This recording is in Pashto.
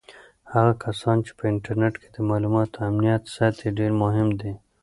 هغه کسان چې په انټرنیټ کې د معلوماتو امنیت ساتي ډېر مهم دي.